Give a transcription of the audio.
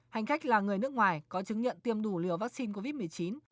hành khách là người nước ngoài có chứng nhận tiêm đủ liều vaccine covid một mươi chín